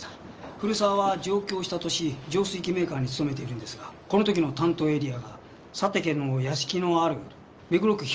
古沢は上京した年浄水器メーカーに勤めているんですがこの時の担当エリアが佐竹の屋敷のある目黒区碑文谷なんです。